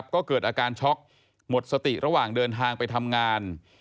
ก็เกิดอาการช็อกหมดสติระหว่างเดินทางไปทำงาน